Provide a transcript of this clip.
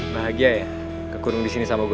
bahagia ya kekurung disini sama gue